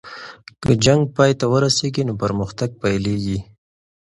که جنګ پای ته ورسیږي نو پرمختګ پیلیږي.